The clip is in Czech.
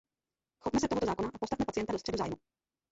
Chopme se tohoto zákona a postavme pacienta do středu zájmu.